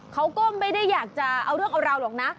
เขาก็ไม่ได้อยากจะเอาเรื่องเอาราวหรอกนะ